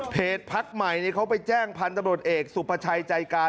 เพจพักใหม่เนี่ยเขาไปแจ้งพันตำรวจเอกสุปัชไจการ